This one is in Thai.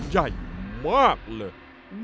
ใหญ่มากเลย